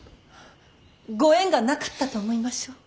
ご縁がなかったと思いましょう。